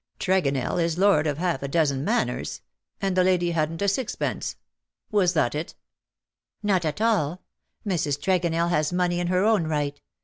Tregonell is lord of half a dozen manors — and the lady hadn^t a sixpence. Was that it T^ '^ Not at all. Mrs. Tregonell has money in her own right.